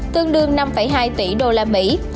tương đương năm hai tỷ đô la mỹ